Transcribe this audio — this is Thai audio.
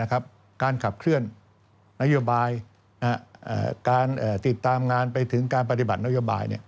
การขับเคลื่อนนโยบายการติดตามงานไปถึงการปฏิบัตินโยบาย